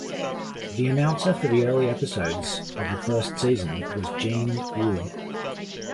The announcer for the early episodes of the first season was Gene Wood.